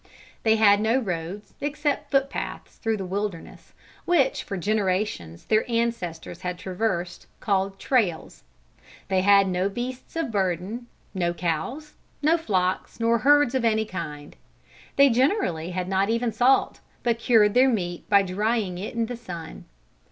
They had no roads except foot paths through the wilderness, which for generations their ancestors had traversed, called "trails." They had no beasts of burden, no cows, no flocks nor herds of any kind. They generally had not even salt, but cured their meat by drying it in the sun.